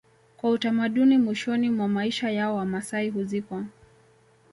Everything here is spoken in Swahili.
Kwa utamaduni mwishoni mwa maisha yao Wamasai huzikwa